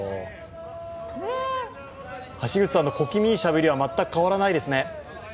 橋口さんの小気味いいしゃべりは、全く変わらないですね。